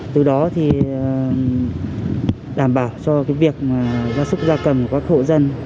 từ đó đảm bảo cho việc da súc da cầm của các hộ dân